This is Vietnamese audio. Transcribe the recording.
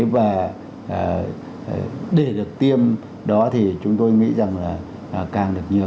và để được tiêm đó thì chúng tôi nghĩ rằng là càng được nhiều